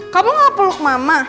kamu mau peluk mama